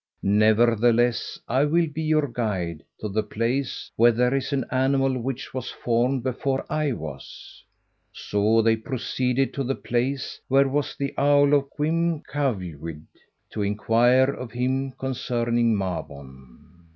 Nevertheless, I will be your guide to the place where there is an animal which was formed before I was." So they proceeded to the place where was the Owl of Cwm Cawlwyd, to inquire of him concerning Mabon.